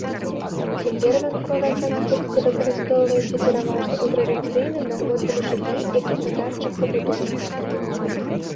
Цяпер вянковая канструкцыя выкарыстоўваецца пераважна ў традыцыйным народным жыллі і гаспадарчых пабудовах.